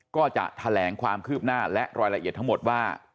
ก็จะแถลงความคืบหน้าและรายละเอียดทั้งหมดว่า